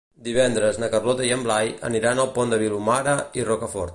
Divendres na Carlota i en Blai aniran al Pont de Vilomara i Rocafort.